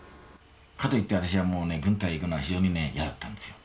かといって私はもうね軍隊行くのは非常にねやだったんですよ。